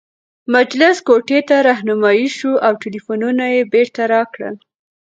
مجلس کوټې ته رهنمايي شوو او ټلفونونه یې بیرته راکړل.